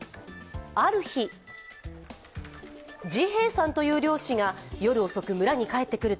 ある日、次兵衛さんという猟師が夜遅く、村に帰ってくると